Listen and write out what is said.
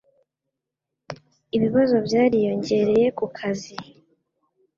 Ibibazo byariyongereye ku kazi